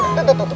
ke alan duluan